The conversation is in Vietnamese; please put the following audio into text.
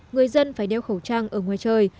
người dân phải đeo khẩu trang ở ngoài trời